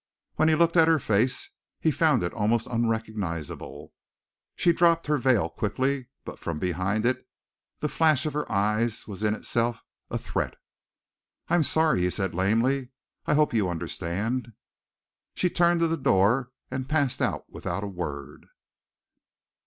When he looked at her face, he found it almost unrecognizable. She dropped her veil quickly, but from behind it the flash of her eyes was in itself a threat. "I am sorry," he said lamely. "I hope you understand." She turned to the door, and passed out without a word.